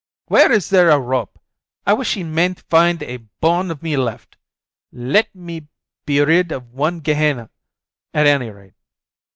"Where is there a rope? I wish he mayn't find a bone of me left ! Let me be rid of one Gehenna at any rate